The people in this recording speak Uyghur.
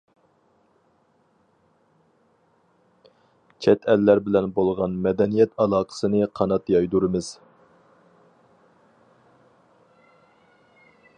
چەت ئەللەر بىلەن بولغان مەدەنىيەت ئالاقىسىنى قانات يايدۇرىمىز.